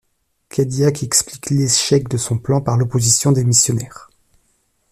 Cadillac explique l'échec de son plan par l'opposition des missionnaires.